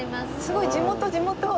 すごい地元地元！